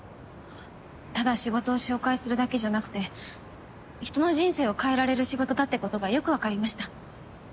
ただ仕事を紹介するだけじゃなくて人の人生を変えられる仕事だってことがよくわかりました。